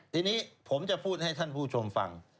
ทีนี้ผมจะพูดให้ท่านผู้ชมฟัง